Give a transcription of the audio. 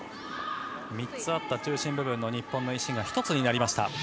３つあった中心部分の日本の石が１つになりました。